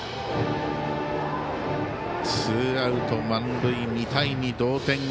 ツーアウト満塁、２対２同点。